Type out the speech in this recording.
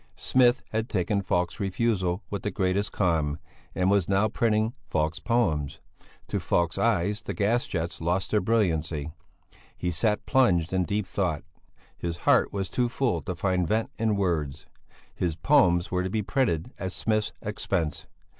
Smith had taken Falk's refusal with the greatest calm, and was now printing Falk's poems. To Falk's eyes the gas jets lost their brilliancy; he sat plunged in deep thought; his heart was too full to find vent in words. His poems were to be printed at Smith's expense.